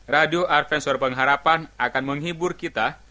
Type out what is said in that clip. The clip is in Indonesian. radio arvensuar pengharapan akan menghibur kita